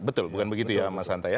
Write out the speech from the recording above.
betul bukan begitu ya mas hantaya